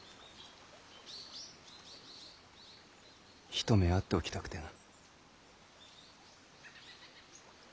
一目会っておきたくてな。